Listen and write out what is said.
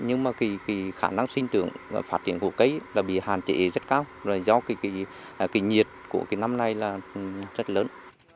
nhưng khả năng sinh trưởng và phát triển của cây bị hàn trị rất cao do nhiệt của năm nay rất lớn